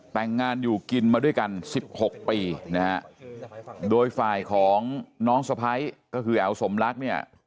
แต่งงานอยู่กินมาด้วยกันสิบหกปีนะฮะโดยฝ่ายของน้องสะพ้ายก็คือแอ๋วสมรักเนี่ย